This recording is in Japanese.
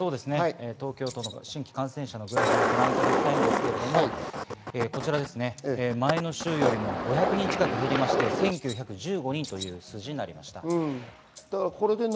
東京都の新規感染者数のグラフを見ていただきたいんですが前の週より５００人近く減り、１９１５人という数字になりました。